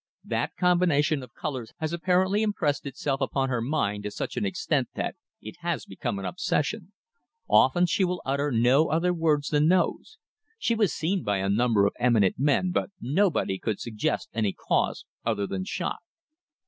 That combination of colours has apparently impressed itself upon her mind to such an extent that it has become an obsession. Often she will utter no other words than those. She was seen by a number of eminent men, but nobody could suggest any cause other than shock."